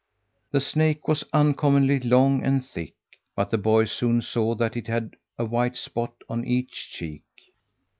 The snake was uncommonly long and thick, but the boy soon saw that it had a white spot on each cheek.